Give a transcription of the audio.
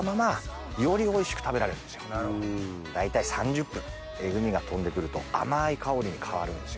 大体３０分エグみが飛んでくると甘い香りに変わるんですよ。